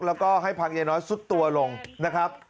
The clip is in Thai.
แล้วก็ให้พังยายน้อยสุดตัวลงนะครับ